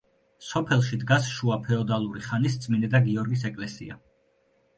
სოფელში დგას შუა ფეოდალური ხანის წმინდა გიორგის ეკლესია.